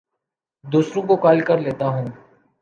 دوسروں کو قائل کر لیتا ہوں